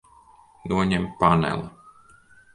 Noņem paneli.